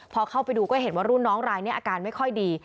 พอเข้าไปดูก็เห็นว่ารุ่นน้องรายนี้อาการไม่ค่อยดี